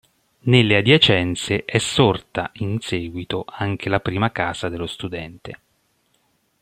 Nelle adiacenze è sorta in seguito anche la prima Casa dello Studente.